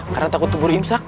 karena takut tumbuh rimsak